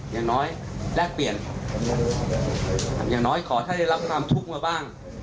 อย่างน้อยแลกเปลี่ยนอย่างน้อยขอถ้าได้รับความทุกข์มาบ้าง